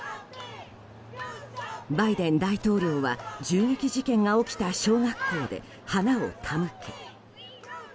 バイデン大統領は銃撃事件が起きた小学校で花を手向け。